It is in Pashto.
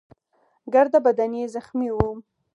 ګرده بدن يې زخمي وو.